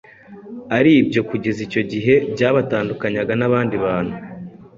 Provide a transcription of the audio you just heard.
ari byo kugeza icyo gihe byabatandukanyaga n’abandi bantu